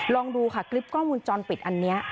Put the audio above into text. ลองดูค่ะคลิปกล้องมูลจรปิดอันนี้